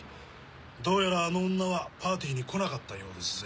どうやらあの女はパーティーに来なかったようですぜ。